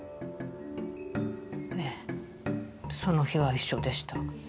ええその日は一緒でした。